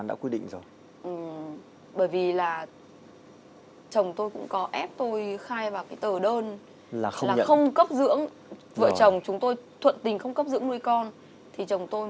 do chồng tôi là quan hệ bất chính với em của tôi